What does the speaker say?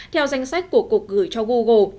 theo danh sách của cục gửi cho google